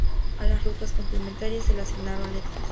A las rutas complementarias se le asignaron letras.